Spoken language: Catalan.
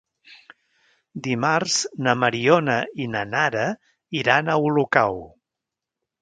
Dimarts na Mariona i na Nara iran a Olocau.